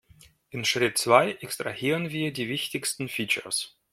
In Schritt zwei extrahieren wir die wichtigsten Features.